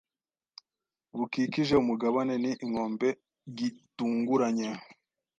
bukikije umugabane ni inkombe gitunguranye